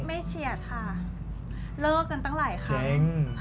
เฉียดค่ะเลิกกันตั้งหลายครั้ง